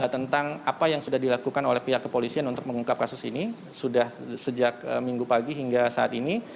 tentang apa yang sudah dilakukan oleh pihak kepolisian untuk mengungkap kasus ini sudah sejak minggu pagi hingga saat ini